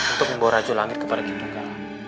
untuk membawa rajo langit kepada kitungga